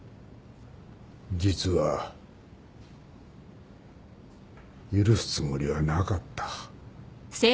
実は許すつもりはなかった。